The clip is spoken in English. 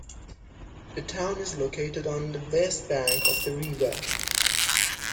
The town is located on the West Bank of the river.